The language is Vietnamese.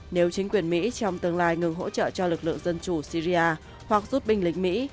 nếu chính quyền mỹ trong tương lai ngừng hỗ trợ cho lực lượng dân chủ syria hoặc rút binh lính mỹ